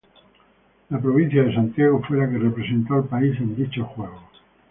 La provincia de Santiago fue la que representó al país en dichos juegos.